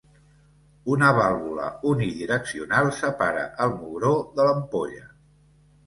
Una vàlvula unidireccional separa el mugró de l'ampolla.